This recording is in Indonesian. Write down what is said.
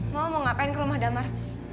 mau mau ngapain ke rumah damar